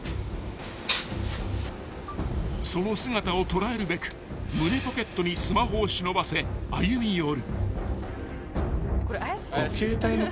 ［その姿を捉えるべく胸ポケットにスマホを忍ばせ歩み寄る］